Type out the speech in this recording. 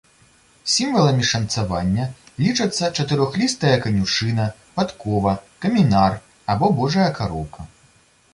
Сімваламі шанцавання лічацца чатырохлістая канюшына, падкова, камінар або божая кароўка.